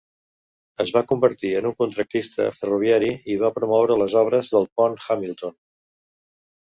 Es va convertir en un contractista ferroviari i va promoure les obres del pont Hamilton.